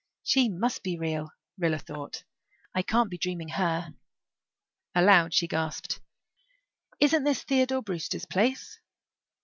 "She must be real," Rilla thought. "I can't be dreaming her." Aloud she gasped, "Isn't this Theodore Brewster's place?"